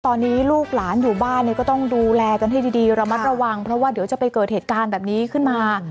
ตอนนี้ลูกหลานอยู่บ้านเนี่ยก็ต้องดูแลกันให้ดีระมัดระวังเพราะว่าเดี๋ยวจะไปเกิดเหตุการณ์แบบนี้ขึ้นมา